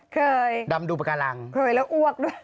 เคยดำดูปากการังเคยแล้วอ้วกด้วย